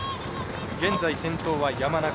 現在、先頭は山中。